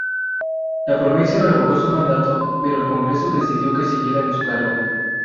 La provincia revocó su mandato, pero el congreso decidió que siguiera en su cargo.